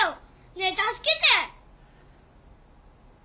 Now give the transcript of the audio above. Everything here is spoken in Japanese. ねえ助けて！